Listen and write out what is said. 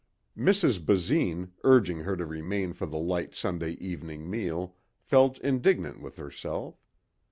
Mrs. Basine, urging her to remain for the light Sunday evening meal, felt indignant with herself.